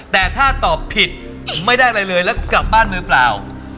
แต่ถ้าตอบผิดไม่ได้อะไรเลยแล้วกลับบ้านมือเปล่า